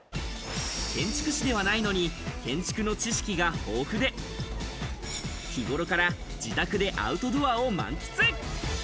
建築士ではないのに、建築の知識が豊富で、日頃から自宅でアウトドアを満喫。